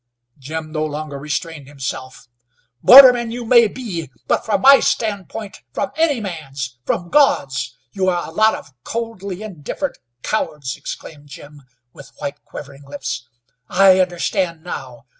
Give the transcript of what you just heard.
Jim no longer restrained himself. "Bordermen you may be, but from my standpoint, from any man's, from God's, you are a lot of coldly indifferent cowards!" exclaimed Jim, with white, quivering lips. "I understand now.